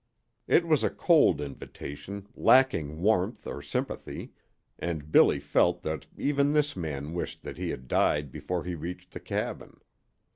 It was a cold invitation, lacking warmth or sympathy, and Billy felt that even this man wished that he had died before he reached the cabin.